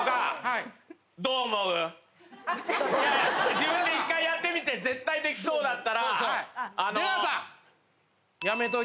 自分で１回やってみて絶対できそうだったら。